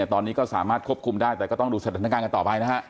ตอนนี้ก็สามารถควบคุมได้แต่ก็ต้องดูสถานการณ์กันต่อไปนะฮะ